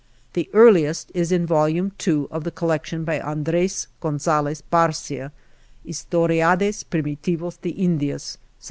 The earliest is in Volume II of the Collection by Andres Gonzales Barcia, Hts toriades primitivos de Indias, 1749.